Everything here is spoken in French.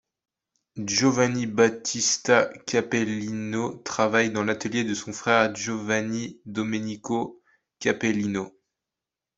Giovanni Battista Capellino travaille dans l'atelier de son frère Giovanni Domenico Capellino.